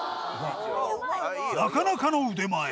なかなかの腕前